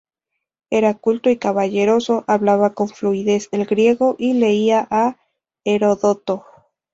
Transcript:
Era culto y caballeroso, hablaba con fluidez el griego, y leía a Heródoto.